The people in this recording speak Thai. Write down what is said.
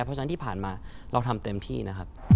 เพราะฉะนั้นที่ผ่านมาเราทำเต็มที่นะครับ